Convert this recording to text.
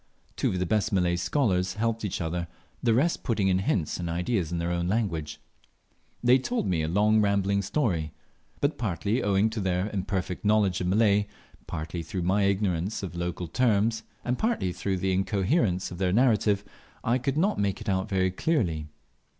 Two of the best Malay scholars helped each other, the rest putting in hints and ideas in their own language. They told me a long rambling story; but, partly owing to their imperfect knowledge of Malay, partly through my ignorance of local terms, and partly through the incoherence of their narrative, I could not make it out very clearly.